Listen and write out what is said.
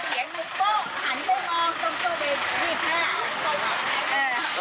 โป๊ะหันไม่ลองตรงตู้เด็ก๒๕